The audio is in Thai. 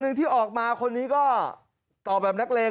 หนึ่งที่ออกมาคนนี้ก็ตอบแบบนักเลง